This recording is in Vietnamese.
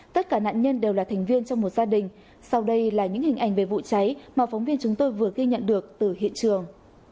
tất cả nạn nhân đều là thành viên trong một gia đình sau đây là những hình ảnh về vụ cháy mà phóng viên chúng tôi vừa ghi nhận được từ hiện trường